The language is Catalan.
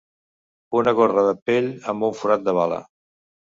Una gorra de pell amb un forat de bala